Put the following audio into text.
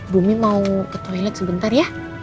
bumi mau ke toilet sebentar ya